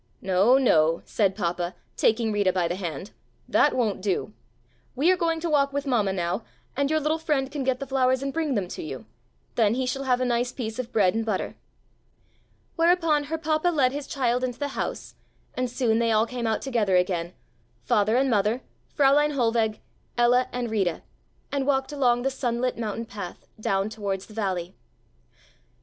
"No, no," said papa, taking Rita by the hand, "that won't do. We are going to walk with mamma now, and your little friend can get the flowers and bring them to you, then he shall have a nice piece of bread and butter." Whereupon her papa led his child into the house and soon they all came out together again, father and mother, Fräulein Hohlweg, Ella and Rita, and walked along the sunlit mountain path down towards the valley.